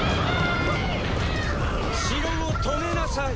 城を止めなさい。